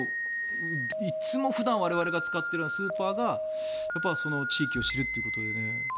いつも普段我々が使っているスーパーがその地域を知るということでね。